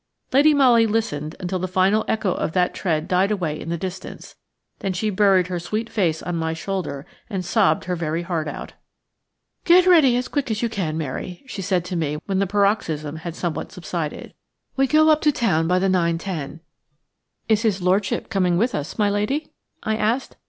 Lady Molly listened until the final echo of that tread died away in the distance; then she buried her sweet face on my shoulder and sobbed her very heart out. "Get ready as quickly as you can, Mary," she said to me when the paroxysm had somewhat subsided. "We go up to town by the 9.10." "Is his lordship coming with us, my lady?" I asked.